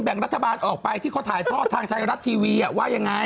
แบ่งรัฐบาลอยากไทยรัฐทีวีว่าอย่างไร